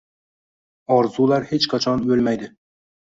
Orzular hech qachon o'lmaydi!